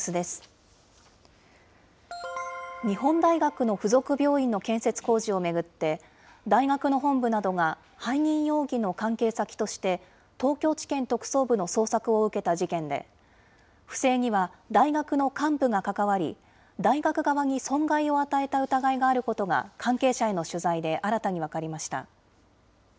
日本大学の付属病院の建設工事を巡って、大学の本部などが背任容疑の関係先として、東京地検特捜部の捜索を受けた事件で、不正には大学の幹部が関わり、大学側に損害を与えた疑いがあることが関係者への取材で新たに分かりました。